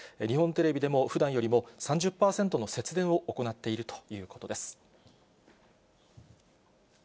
日本テレビでも、ふだんよりも３０％の節電を行っているということです。